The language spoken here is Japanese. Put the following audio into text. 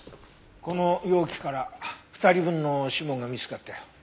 この容器から２人分の指紋が見つかったよ。